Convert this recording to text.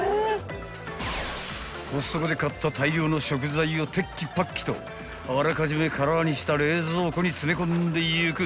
［コストコで買った大量の食材をテッキパッキとあらかじめ空にした冷蔵庫に詰め込んでいく］